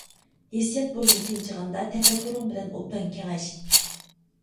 ھېسسىيات بورىنى تىنچىغاندا تەپەككۇرۇڭ بىلەن ئوبدان كېڭەش.